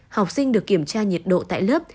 học sinh được kiểm tra nhiệt độ tại lớp